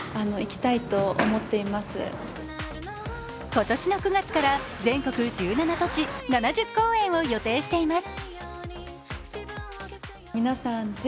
今年の９月から全国１７都市７０公演を予定しています。